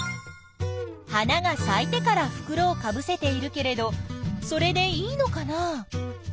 花がさいてからふくろをかぶせているけれどそれでいいのかな？